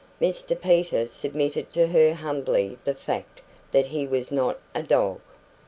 Mr Peter submitted to her humbly the fact that he was not a dog.